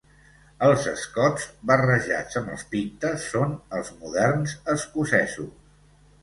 Els escots, barrejats amb els pictes, són els moderns escocesos.